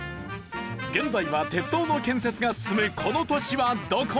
現在は鉄道の建設が進むこの都市はどこ？